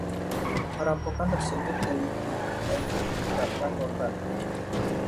Perampokan tersebut teliti dan tanpa korban.